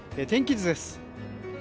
天気図です。